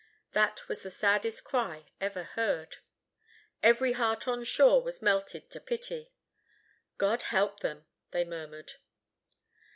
That was the saddest cry ever heard. Every heart on shore was melted to pity. "God help them!" they murmured.